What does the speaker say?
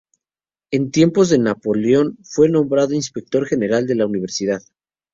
En tiempos de Napoleón fue nombrado Inspector General de la Universidad.